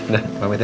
nah pamit ya